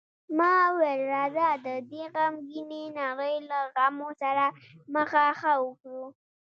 ما وویل: راځه، د دې غمګینې نړۍ له غمو سره مخه ښه وکړو.